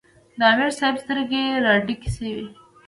د امیر صېب سترګې راډکې شوې ـ